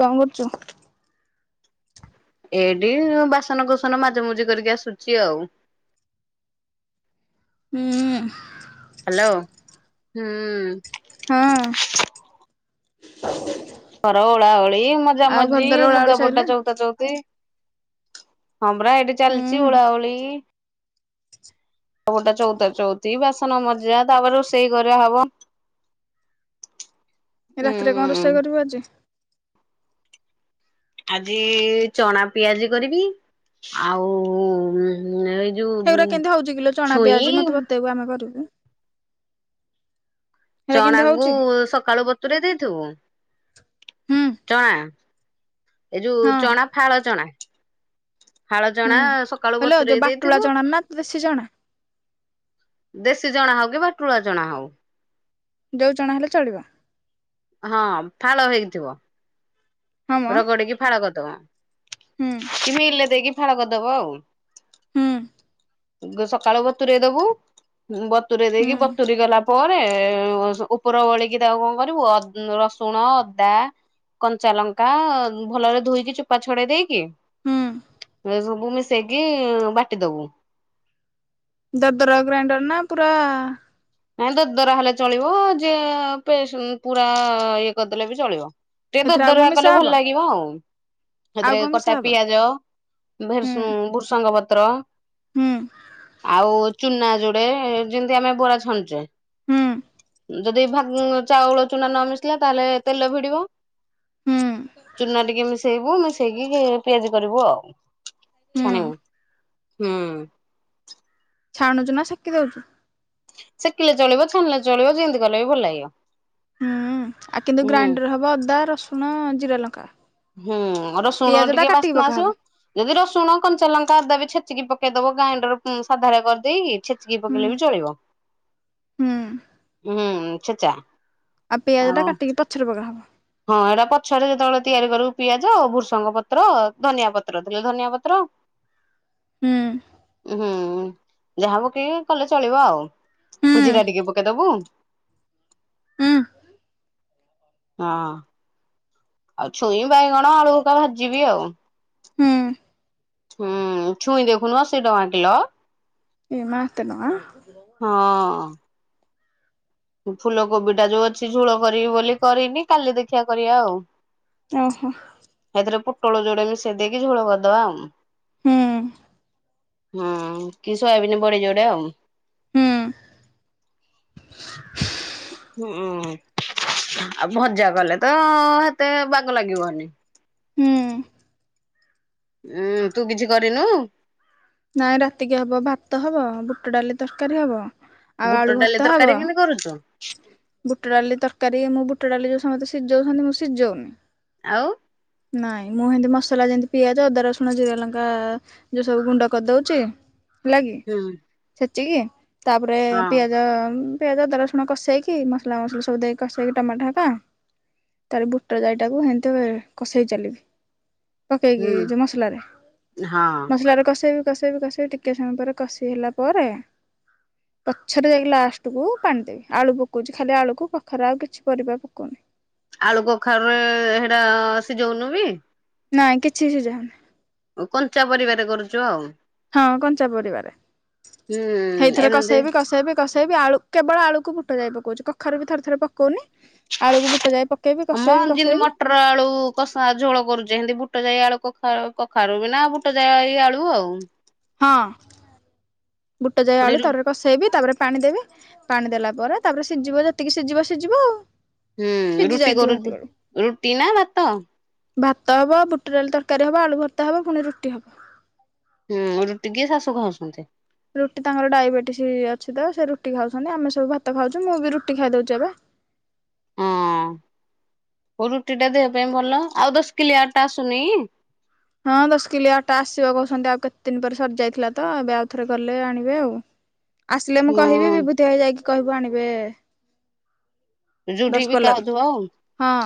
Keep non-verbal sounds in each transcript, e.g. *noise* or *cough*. କଣ କରୁଛୁ? ଏଇଠି ବାସନକୁସନ ମାଜି ମୁଜି କରିକି ଆସୁଛି ଆଉ ହୁଁ ହ୍ୟାଲୋ। ହୁଁ ହଁ ଘର ଓଳା ଓଳି ମଜା ଆଉ ଘର ମଜି ଦ୍ୱାର ଓଳା ଓଳି ସଇଲା? ଲୁଗାପଟା ଚଉତା ଚଉତି ହଁ ପରା। ଏଇଠି ଚାଲିଛି ହୁଁ ଓଳାଓଳି ସବୁଟା ଚଉତା ଚଉତି ବାସନ ମଜା ତାପରେ ରୋଷେଇ କରା ହବ ରାତିରେ କଣ ଉଁ ରୋଷେଇ କରିବୁ ଆଜି? ଆଜି ଚଣା ପିଆଜି କରିବି ଆଉ ଉଁ ଉଁ ଏ ସେଗୁରା କେମିତି ହଉଛି କିଲୋ ଚଣା ପିଆଜି ମତେ ବତେଇବୁ ଆମେ କରିବୁ। ହେରା କେମିତି ଚଣାକୁୁ ହଉଛି? ସକାଳୁ ବତୁରେଇ ଦେଇଥିବୁ ହୁଁ ଚଣା ଏଇ ଯୋଉ ହଁ ଚଣା ଫାଳ ଚଣା ଫାଳଚଣା ହୁଁ। ସକାଳୁ ହଲୋ ଯୋଉ ବତୁରେଇ ବାଟୁଳା ଦେଇଥିବୁ ଚଣା ନା ଦେଶୀ ଚଣା ଦେଶୀ ଚଣା ହଉ କି ବାଟୁଳା ଚଣା ହଉ। ଯୋଉ ଚଣା ହେଲେ ଚଳିବ। ହଁ ଫାଳ ହେଇଥିବ। ହଁ ମ ରଗଡିକି ଫାଳ କରିଦବ ହୁଁ କି ମିଲ ରେ ଦେଇକି ଫାଳ କରିଦବା ଆଉ। ହୁଁ ସକାଳୁ ବତୁରେଇ ଦବୁ ବତୁରେଇ ହୁଁ ଦେଇକି ବତୁୁରୀ ଗଲା ପରେ ଉପର ବଳିକି ତାକୁ କଣ କରିବୁ ରସୁଣ ଅଦା କଞ୍ଚାଲଙ୍କ କା ଭଲରେ ଧୋଇକି ଚୋପା ଛଡେଇ ଦେଇକି ହୁଁ। ଏ ସବୁ ମିଶେଇକି ବାଟି ଦବୁ। ଦରଦର ଗ୍ରାଇଣ୍ଡର ନା ପୁରା ନାଇଁ ଦର ଦରା ହେଲେ ଚଳିବ ଯେ ପେସୁନ ପୁରା ଇଏ କରିଦେଲେ ବି ଚଳିବ। ଟିକେ ସେଥିରେ ଆଉ ଦର କଣ ଦରା ମିଶା କଲେ ଭଲ ହବ ଲାଗିବ ଆଉ। ଆଉ ସେଥିରେ କଣ ମିଶା କଟା ହବ? ପିଆଜ ହୁଁ ଭେରସୁଙ୍ଗ ଭୁରୁସଙ୍ଗ ପତ୍ର ପତ୍ର ହୁଁ ଆଉ ଚୁନା ଯୋଡେ ଯେମତି ଆମେ ବରା ଛାଣୁଛେ ହୁଁ। ଯଦି *unintelligible* ଚାଉଳ ଚୁନା ନ ମିଶିଲା ତାହେଲେ ତେଲ ଭିଡିବ। ହୁଁ ଚୁନା ଟିକେ ମିସେଇବୁ ମିସେଇକି ପିଆଜି କରିବୁ ଆଉ। ହୁଁ ଛାଣିବୁ ହୁଁ। ଛାଣୁଛୁ ନା ସେକି ଦଉଛୁ? ଶେଖିଲେ ଚଳିବ ଛାଣିଲେ ଚଳିବ ଯେମିତି କଲେ ବି ଭଲ ଲାଗିବ। ହୁଁ ଆଉ କିନ୍ତୁ ହୁଁ ଗ୍ରାଇଣ୍ଡର ହବ ଅଦା ରସୁଣ ଜିରା ଲଙ୍କା। ହୁଁ ରସୁଣ ପିଆଜ ଟା ଟିକେ କାଟିକି ବାସ୍ନା ପକାହବ। ଆସିବ ଯଦି ରସୁଣ କଞ୍ଚାଲଙ୍କା ଅଦା ବି ଛେଚିକି ପକେ କେଇଦବ ଗ୍ରାଇଣ୍ଡର ସାଧାରେ କରିଦେଇକି ଛେଚକି ହୁଁ ପକେଇଲେ ବି ଚଳିବ ହୁଁ ହୁଁ ଛେଚା। ଆଉ ପିଆଜ ଟା କାଟିକି ପଛରେ ପକା ହବ। ହଁ ଏରା ପଛରେ ଯେତେବେଳେ ତିଆରି କରିବୁ ପିଆଜ ଭୃସଙ୍ଗ ପତ୍ର ଧନିଆ ପତ୍ର ଦେଲେ ଧନିଆ ପତ୍ର ହୁଁ। ହୁଁ ଯାହା ପକ କଲେ ଚଳିବ ଆଉ। ହୁଁ ଜିରା ଟିକେ ପକେଇଦବୁ। ହୁଁ ହଁ। ଆଉ ଛୁଇଁ ବାଇଗଣ ଆଳୁ ହେକା ଭାଜିବି ଆଉ। ହୁଁ ହୁଁ ଛୁଇଁ ଦେଖୁନ ଅଶି ଟଙ୍କା କିଲ। ଏମା ଏତେ କଣ? ହଁ। ଫୁଲ କୋବି ଟା ଯୋଉ ଅଛି ଝୋଳ କରିବି ବୋଲି କରିନି କାଲି ଦେଖଆ କରିବା ଆଉ। ଓହୋ। ତୋଳ ଯୋଡ ମିଶେଇ ଦେଇକି ଝୋଳ କରିଦବା ଆଉ। ହୁଁ। ହୁଁ କି ସୋୟାବିନ ବଡି ଯୋଡେ ଆଉ। ହୁଁ। ହୁଁଉଁ। ଆଉ ଭଜା କଲେ ତ ହେତେ ବାଗ ଲାଗିବନି। ହୁଁ। ଉୁଁ ତୁ କିଛି କରିନୁ? ନାଇଁ ରାତିକି ହବ ଭାତ ହବ ବୁଟ ଡାଲି ତରକାରୀ ହବ। ଆଉ ଆଳୁ ବୁଟ ଡାଲି ଭର୍ତ୍ତା ହବ ତରକାରୀ କେମିତି କରୁଛୁ। ବୁଟ ଡାଲି ତରକାରୀ ମୁଁ ବୁଟ ଡାଲି ଯୋଉ ସମସ୍ତେ ସିଝଉଛନ୍ତି ମୁଁ ସିଝଉନି ଆଉ। ନାଇଁ ମୁଁ ଏମତି ମସଲା ଯେମତି ପିଆଜ ଅଦା ରସୁଣ ଜିରା ଲଙ୍କା ଯୋଉ ସବୁ ଗୁଣ୍ଡ କରିଦଉଛି। ହେଲା କିି ହୁଁ ଛେଚିକି ତାପରେ ହଁ ପିଆଜ ପିଆଜର ଆପଣ କଷେଇକି ମସଲା ମସଲା ସବୁ ଦେଇକି କଷେଇକି ଟମାଟୋକା। ତାାର ବୁଟର ଯାାଇଟାକୁ ହେମତି କଷେଇ ଚାଲିବି। ପକେଇକି ହୁଁ ଯୋଉ ମସଲାରେ ହଁ ମସଲାରେ କଷେଇବ। କଷେଇବି କଷେଇବି ଟିକେ ସମୟ ପରେ କଷି ହେଲା ପରେ ପଛରେ ଯାଇକି ଲାଷ୍ଟ କୁ ପାଣି ଦେବି। ଆଳୁ ପକଉଛି ଖାଲି ଆଳୁକୁ ପାଖରେ ଆଉ କିଛି ପରିବା ପକଉନି। ଆଳୁ କଖାରୁରେ ସେଟା ସିଝଉନୁ କି? ନାଇଁ କିଛି ସିଝା ହୁଉନି। ଆଉ କଞ୍ଚା ପରିବାରେ କରୁଚ ଆଉ। ହଁ କଞ୍ଚା ପରିବାରେ ହୁଁ ହେଇଥିରେ ଏମିତି କଷେଇବି କଷେଇବି କସେଇ ବି ଆଳୁ କେବଳ ଆଳୁକୁ ବୁଟ ଯାଇ ପକଉଛି କଖାରୁ ବି ଥରେ ଥରେ ପକଉନି ଆଳୁକୁ ବୁଟ ଯାଇ ପକେଇବି ହଁ ମ କଷେଇବି ଯେମିତି କଷେଇବି ମଟର ଆଳୁ କଷା ଝୋଳ କରୁଛ ଏମିତି ବୁଟ ଯାଇ ଆଳୁ କ କଖାରୁ ବିନା ବୁଟ ଜାଇ ଆଳୁ ଆଉ। ହଁ ବୁଟ ଯାଇ ପୁଣି ଆଳୁ ରୁ ତ କଷେଇବି ତାପରେ ପାଣି ଦେବେ ପାଣି ଦେଲା ପରେ ତାପରେ ସିଝିବ ଯେତିକି ସିଝିବ ସିଝିବ ଆଉ। ହୁଁ ସିଝି ରୁଟି ଯାଇଥିବ କରୁ ହେତିକଳୁ ରୁଟି ନା ଭାତ? ଭାତ ହବ ବୁଟ ଡଲି ତରକାରୀ ହବ ଆଳୁ ଭର୍ତ୍ତା ହବ ପୁଣି ରୁଟି ହବ। ହୁଁ ରୁଟି କିଏ? ଶାଶୁ ଖାଉଛନ୍ତି। ରୁଟି ତାଙ୍କର ଡାଇବେଟିସ୍ ଅଛି ତ ସେ ରୁଟି ଖାଉଛନ୍ତି। ଆମେ ସବୁ ଭାତ ଖାଉଛୁ ମୁଁ ବି ରୁଟି ଖାଇଦଉଛି ଏବେ। ହଉ ରୁଟି ଟା ଦେହ ପାଇଁ ଭଲ ଆଉ ଦଶକିଲିଆ ଅଟା ଆସୁନି? ହଁ ଦଶ କିଲୋ ଅଟା ଆସିବ କହୁଛନ୍ତି ଆଉ କେତେ ଦିନ ପରେ ସରିଯାଇଥିଲା ତ ଏବେ ଆଉଥରେ ଗଲେ ଆଣିବେ ଆଉ। ଆସିଲେ ମୁଁ କହିବି ହଁ ବିଭୂତି ହେଇ ଯାଇକି କହିବୁ ଆଣିବେ। ରୁଟି ବି ଦଶପଲ୍ଲାରୁ ଖାଉଥିବ ଆଉ। ହଁ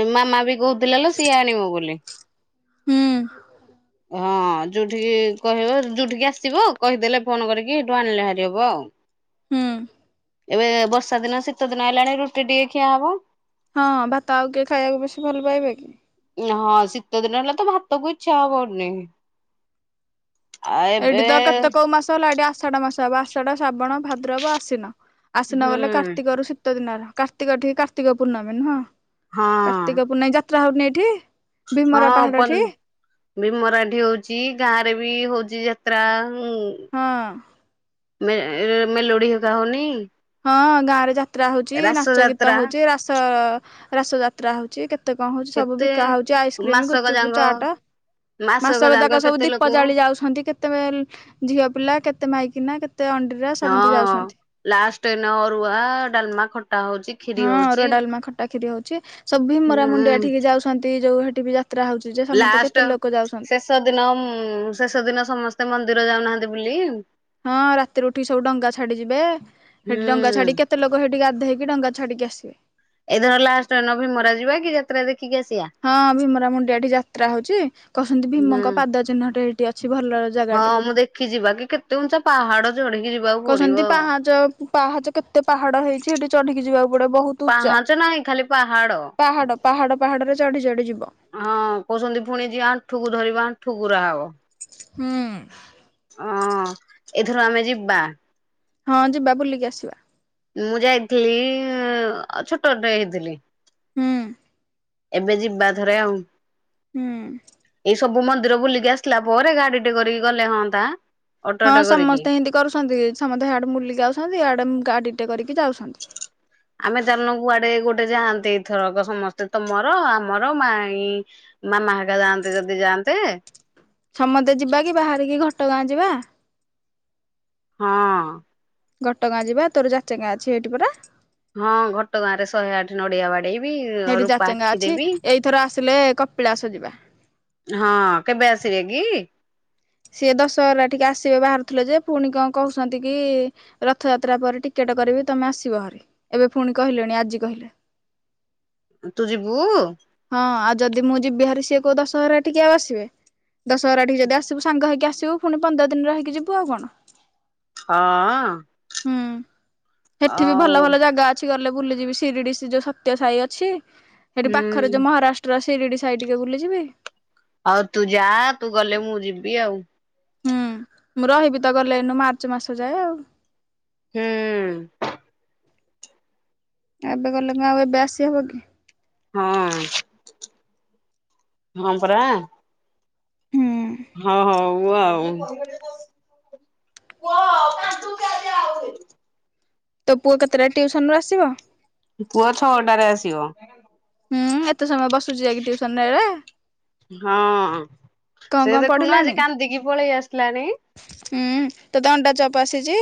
ଏ ମାମା ବି କହୁଥିଲେ ଲୋ ସିଏ ଆଣିବ ବୋଲି। ହୁଁ। ହଁ। ଆଉ ଯୋଉଠିକି କହିବ ଯୋଉଠିକି ଆସିବ କହିଦେଲେ ଫୋନ କରିକି ସେଇଠୁ ଆଣିଲେ ହାରି ହବ ଆଉ। ହୁଁ। ଏବେ ବର୍ଷା ଦିନ ଶୀତ ଦିନ ହେଲାଣି ରୁଟି ଟିକେ ଖିଆ ହବ। ହଁ ଭାତ ଆଉ କି ଖାଇବାକୁ ବେଶ ଭଲ ପାଇବେ କି? ହଁ ଶୀତଦିନ ହେଲେ ତ ଭାତକୁ ଇଚ୍ଛା ହବନି। ଆଉ ଏଠି ଏବେ ତ କେତେ କୋଉ ମାସ ହେଲା ଆଡେ ଆସ ଆଷାଢ ମାସ ହବ ଆଷାଢ ଶ୍ରାବଣ ଭାଦ୍ରବ ଆସିନ ଆସିନ ହୁଁ ଗଲେ କାର୍ତ୍ତିକରୁ ଶୀତ ଶୀତ ଦିନର କାର୍ତ୍ତିକ ଟଠିକି କାର୍ତ୍ତିକ ପୂର୍ଣ୍ଣମୀ ନୁହଁ ହଁ କାର୍ତ୍ତିକ ପୂର୍ଣ୍ଣମୀ ଯାତ୍ରା ହଉନି ଏଠି? ଭୀମରା ହଁ ପାହାଡ ଠି ବି ମରାଠି ହଉଛି ଗାଁରେ ବି ହଉଛି ଯାତ୍ରା। ଉଁ ହଁ। ମେ ମେଲୋଡି ହରିକା ହଉନି? ହଁ ଗାଁ ରେ ଯାତ୍ରା ହଉଛି ରାସ ନାଚ ଗୀତ ଯାତ୍ରା ହଉଛି ରାସ ରାସ ଯାତ୍ରା ହଉଛି କେ ତେ କଣ ହଉଛି ସବୁ କେତେ ବିକା ହଉଚଛି ଆଇସ୍କ୍ରିମ, ମାସକ ଗୁପଚୁପ, ଯାଙ୍କ ଚାଟ୍। ମାସକ ଯାକ ଯାଙ୍କ ସବୁ କେତେ ଦୀପ ଲୋକ ଜାଳି ଯାଉଛନ୍ତି କେତେ ଝିଅ ପିଲା କେତେ ମାଇକିନା କେତେ ତେ ଅଣ୍ଡିରା ସମସ୍ତେ ଯାଉଛନ୍ତି। ଟେନ ଅରୁଆ, ଡାଲମା, ଖଟା। ହଉଛି ଖିରି ହଁ ହଉଛି। ଅରୁଆ ଡାଲମା ଖଟା ଖିରି ହଉଛି ସବି ମରା ମୁୁଡିଆ ହୁଁ ଠିକି ଯାଉଛନ୍ତି ଯୋଉ ସେଠି ବି ଯା ଲାଷ୍ଟ ଶେଷ ଦିନ ଶେଷ ଦିନ ସମସ୍ତେ ମନ୍ଦିର ଯାଉନାହାନ୍ତି ବୁଲି? ହଁ ରାତିରେ ଉଠିକି ସବୁ ଡା ଛାଡିଯିବେ ହୁଁ ସେଠି ଡଙ୍ଗା ଛାଡି କେତେ ଲୋକ ହେଠି ଗାଧେଇକି ଡଙ୍ଗା ଛାଡ଼ିକି ଆସିବେ। ଏଇଦିନ ଲାଷ୍ଟ ନଭେମ୍ବର ଯିବା କି ଯାତ୍ରା ଦେଖି? ହଁ ଭୀମରା ମୁଣ୍ଡିଆ ଏଠି ଯାତ୍ରା ହଉଛି କହୁଛନ୍ତି ହୁଁ। ଭୀମଙ୍କ ପାଦ ଚିହ୍ନଟ ଏଇଠି ଅଛି। ଭଲ ହଁ ଜାଗାଟେ ମୁଁ ଦେଖି ଯିବା କି କେତେ ଉଞ୍ଚା ପାହାଡ ଚଢିକି ଯିବା। କହୁଛନ୍ତି ପାହାଚ ପାହାଚ କେତେ ପାହାଡ ହେଇଛି ସେଠି ଚଢିକି ଯିବାକୁ ପଡିବ ବହୁତ ଉଚ୍ଚା। ନାଇ ଖାଲି ପାହାଡ଼। ପାହାଡ ପାହାଡ ପାହାଡରେ ଚଢି ଚଢି ଯିବୁ। ହଁ କହୁଛନ୍ତି ପୁଣି ଯିଏ ଆଣ୍ଠୁକୁ ଧରିବ ଅଣ୍ଠୁକୁରା ହେବ । ହଁ! ହଁ ଏଥିରୁ ଆମେ ଯିବା। ହଁ ଯିବା ବୁଲିକି ଆସିବା। ମୁଁ ଯାଇଥିଲି ଛୋଟଟେ ହେଇଥିଲି। ହୁଁ! ଏବେ ଯିବା ଥରେ ଆଉ! ଏଇ ହୁଁ! ସବୁ ମନ୍ଦିର ବୁଲିକି ଆସିଲା ପରେ ଗାଡି ଟେ କରିକି ଗଲେ ହଅନ୍ତା। ହଁ ଅଟୋଟେ କରିକି ସମସ୍ତେ ଏମିତି କରୁଛନ୍ତି ସମସ୍ତେଆଡେ ବୁଲିକି ଆଉଛନ୍ତିଆଡେ ଗାଡିଟେ କରି ଯାଉଛନ୍ତି ଆମେ ଜାଣିନୁ କୁଆଡେ ଗୋଟେ ଯାଆନ୍ତି ଏଇଥରକ ସମସ୍ତେ ତମର ଆମର ମାଇ ମାମାହାଙ୍କା ଯାଆନ୍ତେ ଯଦି ଯାଆନ୍ତେ। ସମସ୍ତେ ଯିବା କି ବାହାରିକି ଘଟଗାଁ ଯିବା। ହଁ! ଘଟଗାଁ ଯିବା ତୋର ଯାଚେ ଗାଁ ଅଛି ଏଇଠି ପରା। ହଁ ଘଟଗାଁ ରେ ଶହେ ଆଠ ନଡିଆ ବାଡେଇବି। ସେଇଠି ରୂପା ଯାଚେଙ୍ଗା ଆଖି ଅଛି ଦେବି ଏଇଥର ଆସିଲେ କପିଳାସଜିବା। ହଁ କେବେ ଆସିବେ କି? ସିଏ ଦଶହରା ଟିକେ ଆସିବେ ବାହାରୁଥିଲେ ଯେ ପୁଣି କଣ କହୁଛନ୍ତି କି ରଥଯାତ୍ରା ପରେ ଟିକେ ଟିକେଟ କରିବି ତମେ ଆସିବ ଭରି ଏବେ ପୁଣି କହିଲେଣି ଆଜି କହିଲେ ତୁ ଯିବୁ ହଁ ଆଉ ଯଦି ମୁଁ ଯିବିହାରି ସିଏ କଉ ଦଶହରା ଟିକି ଆଉ ଆସିବେ ଦଶହରା ଟିକି ଯଦି ଆସିବେ ସବୁ ସାଙ୍ଗ ହେଇକି ଆସିବୁ ପୁଣି ପନ୍ଦର ଦିନରେ ହେଇକି ଯିବୁ ଆଉ କଣ? ହଁ ହୁଁ ସେଠି ବି ଆଉ ଭଲ ଭଲ ଜାଗା ଅଛି ଗଲେ ବୁଲିଯିବି ସିରିଡି ସ ଯୋଉ ସତ୍ୟ ସାହି ଅଛି ସେଠି ପାଖରେ ଯୋଉ ହୁଁ ମହାରାଷ୍ଟ୍ର ସିରିଡି ସାାଇ ଟିକେ ବୁଲିଯିବି। ଆଉ ତୁ ଯା ତୁ ଗଲେ ମୁଁ ଯିବି ଆଉ! ହୁଁ ମୁଁ ରହିବି ତ ଗଲେ ଏନୁ ମାର୍ଚ୍ଚ ମାସ ଯାଏ ଆଉ! ହୁଁ! ଏବେ ଗଲେ ମୁ ଆଉ ଏବେ ଆସିହବ କି? ହଁ! ହଁ ପରା! ହୁଁ ହଉ ହଉ ଆଉ! ଓହୋ! ତୋ ପୁଅ କେତେଟା ଟିଉସନ ରୁ ଆସିବ? ପୁଅ ଛଅଟାରେ ଆସିବ। ହୁଁ ଏତେ ସମୟ ବସୁଛି ଯାଇକି ଟୁସନଟାରେ। ହଁ ସେ ଦେଖୁନୁ ଆଜି ପଢିଲାଣି? କାନ୍ଦିକି ପଳେଇ ଆସିଲାଣି। ହୁଁ ତତେ ଅଣ୍ଡା ଚପ ଆସିଛି?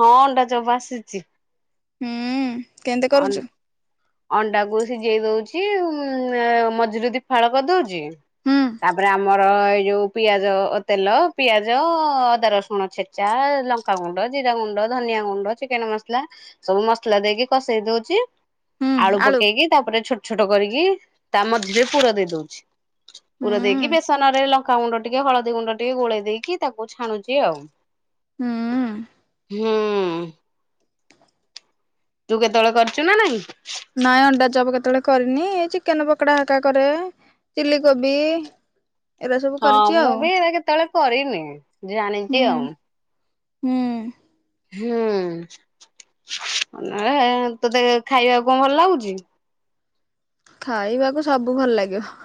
ହଁ ଅଣ୍ଡା ଚପ ଆସିଛି। ହୁଁ କେମତି କରୁଛୁ। ଅଣ୍ଡାକୁ ସିଝେଇ ଦଉଛି ମଝିରୁ ଦିଫାଳ କରିଦଉଛି। ହୁଁ ତାପରେ ଆମର ଏ ଯୋଉ ପିଆଜ ତେଲ ପିଆଜ ଅଦା ରସୁଣ ଛେଚା ଲଙ୍କାଗୁଣ୍ଡ ଜିରା ଗୁଣ୍ଡ। ଧନିଆ ଗୁଣ୍ଡ ଚିକେନ ମସଲା ସବୁ ମସଲା ଦେଇକି କଷେଇ ଦଉଛି! ଆଳୁ ପକେଇକି ତାପରେ ଛୋଟ ଛୋଟ କରିକି ତା ମଝିରେ ପୁର ଦେଇ ଦଉଛି। ହୁଁ ପୁର ଦେଇକି ବେସନରେ ଲଙ୍କାଗୁଣ୍ଡ ଟିକେ ହଳଦୀ ଗୁଣ୍ଡ ଟିକେ ଗୋଳେଇ ଦେଇକି ତାକୁ ଛାଣୁଛି ଆଉ। ହୁଁ। ହୁଁ। ତୁ କେତେବେଳେ କରିଛୁ ନା ନାଇଁ। ନାଇଁ ଅଣ୍ଡା ଚପ୍ କେତେବେଳେ କରିନି ଚିକେନ ପକୋଡା ହାକା କରେ। ଚିଲି କୋବି। ଏରା ସବୁ ହଁ କରିଛି ମୁଁ ଆଉ ବି ଏରା କେତେବେଳେ କରିନି ହୁଁ ଜାଣିଛି ଆଉ। ହୁଁ। ହୁଁ। *inaudible* ହେ ତୋତେ ଖାଇବାକୁ କଣ ଭଲ ଲାଗୁଛି? ଖାଇବାକୁ ସବୁ ଭଲ ଲାଗିବ।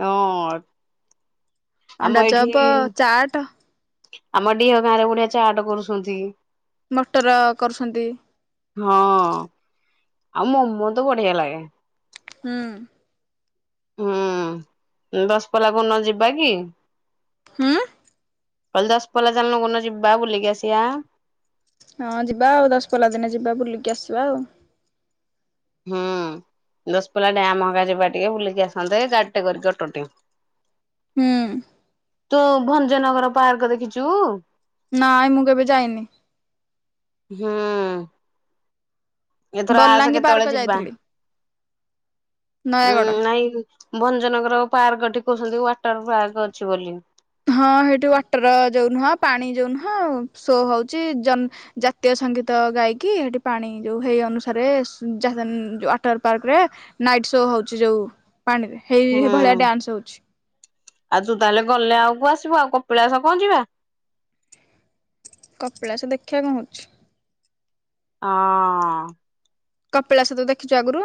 ହଁ। ଆମ ଅଣ୍ଡା ଏଇଠି ଚପ ଚାଟ। ଆମ ଡିିହ ଗାଁରେ ବଢିଆ ଚାଟ କରୁଛନ୍ତି। ମଟର କରୁଛନ୍ତି। ହଁ ଆଉ ମୋମୋ ତ ବଢିଆ ଲାଗେ। ହୁଁ। ହୁଁ ଦଶପଲାକୁ ନ ଯିବା କି। ହୁଁ। କହିଲି ଦଶପଲ୍ଲା ଚାଲୁନୁ କୋଉ ଦିନ ଯିବା ବୁଲିକି ଆସିବା। ହଁ ଯିବା ଆଉ ଦଶପଲ୍ଲା ଦିନେ ଯିବା ବୁଲିକି ଆସିବା ଆଉ। ହୁଁ। ଦଶପ୍ଲା ଡ୍ୟାାମ ହଙ୍ଗା ଯିବା ଟିକେ ବୁଲିକି ଆସନ୍ତେ! ଗାଡି ଟେ କରିକି ଅଟୋ ଟେ। ହୁଁ। ତୁ ଭଞ୍ଜନଗର ପାର୍କ ଦେଖିଛୁ? ନାଇଁ ମୁଁ କେବେ ଯାଇନି। ହୁଁ। ଏଥର ଆସ ବଲାଙ୍ଗୀ ପାର୍କ କେତେବେଳେ ଯିବା! ଯାଇଥିଲି ଉଁ ନୟାଗଡ଼ ନାଇଁ ଭଞ୍ଜନଗର ପାର୍କଠି କହୁଛନ୍ତି, ୱାଟର ପାର୍କ ଅଛି ବୋଲି। ହଁ ସେଇଠି ୱାଟର ଯୋଉ ନୁହଁ ପାଣି ଯୋଉ ନୁହଁ ସୋ ହଉଛି। ଜନ୍ ଜାତୀୟ ସ ସଙ୍ଗୀତ ଗାଇକି ହେଠି ପାଣି ଯୋଉ ହେଇ ଅନୁସାରେ ସ ଯା ୱାଟର ପାର୍କ ରେ ନାଇଟ ଶୋ ହଉଛି! ଯୋଉ ପାଣିରେ ହେଇ ହୁଁ ଭଳିଆ ଡ୍ୟାନ୍ସ ହଉଛି। ଆଉ ତୁ ତାହେଲେ ଗଲେ ଆଉକୁ ଆସିବୁ ଆଉ କପିଳାସ କଣ ଯିବା। କପିଳାସ ଦେଖିବା କଣ ହଉଛି। ହଁ। କପିଳାସ ତୁ ଦେଖିଛୁ ଆଗରୁ।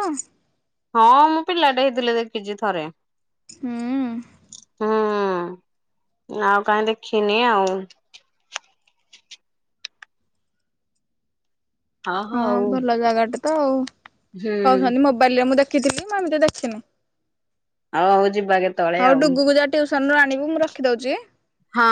ହଁ ମୁଁ ପିଲାଟା ହେଇଥିଲେ ଦେଖିଛି ଥରେ ହୁଁ ହୁଁ। ଆଉ କାହିଁ ଦେଖିନି ଆଉ। ହଁ ଭଲ ଜାଗା ଟେ ତ ଆଉ ହୁଁ କହୁଛନ୍ତି! ମୋବାଇଲ ରେ ମୁଁ ଦେଖ କିଥିଲି ମୁଁ ଏମିତି ଦେଖିନି। ଆଉ ହଉ ଯିବା କେତେବେଳେ ଆଉ। ନୁ ଆଣିବୁ ମୁଁ ରଖିଦଉଛି। ହଁ।